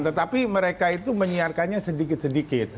tetapi mereka itu menyiarkannya sedikit sedikit